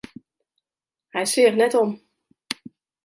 Hy seach net om.